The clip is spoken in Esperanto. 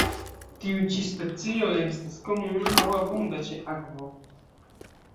Tiu ĉi specio estas komuna aŭ abunda ĉe akvo.